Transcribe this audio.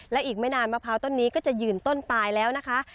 และอีกไม่นานมะพร้าวต้นนี้ก็จะยืนต้นตายแล้วนะคะ